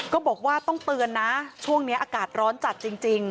ก็บอกว่าต้องเตือนนะช่วงนี้อากาศร้อนจัดจริง